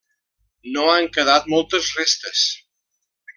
No han quedat moltes restes.